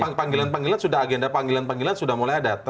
karena panggilan panggilan sudah agenda panggilan panggilan sudah mulai ada